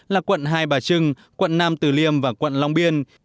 là quận hai bà trưng quận năm từ liêm và quận long biên